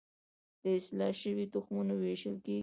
د اصلاح شویو تخمونو ویشل کیږي